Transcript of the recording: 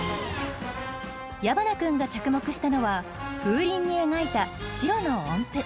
矢花君が着目したのは風鈴に描いた白の音符。